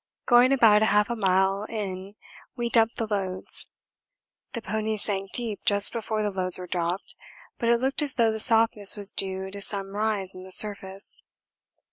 Going about 1/2 mile in we dumped the loads the ponies sank deep just before the loads were dropped, but it looked as though the softness was due to some rise in the surface.